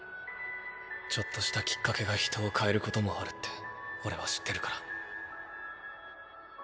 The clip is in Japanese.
ちょっとしたきっかけが人を変えることもあるって俺は知ってるから。